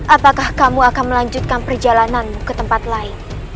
apakah kamu akan melanjutkan perjalananmu ke tempat lain